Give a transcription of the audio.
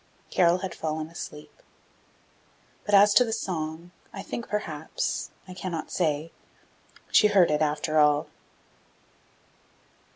Carol had fallen asleep! But as to the song, I think perhaps, I cannot say, she heard it after all!